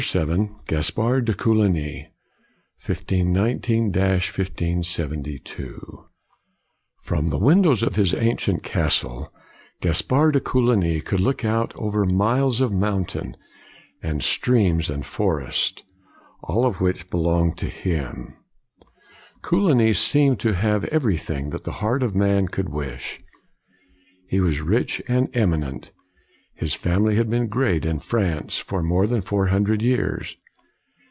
A, van Ravesteijn in the Rijksmuseum at Amsterdam COLIGNY 1519 1572 FROM the windows of his ancient castle, Gaspard de Coligny could look out over miles of mountain and stream and forest, all of which belonged to him. Coligny seemed to have everything that the heart of man could wish. He was rich and eminent. His family had been great in France for more than four hun dred years.